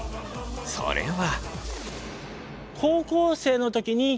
それは。